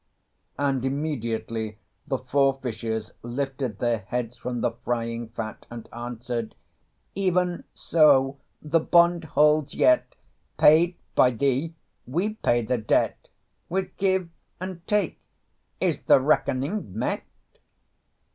And immediately the four fishes lifted their heads from the frying fat and answered "Even so, the bond holds yet; Paid by thee, we pay the debt. With give and take is the reckoning met."